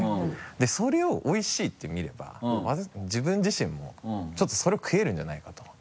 でそれを「おいしい」って見れば自分自身もちょっとそれを食えるんじゃないかと。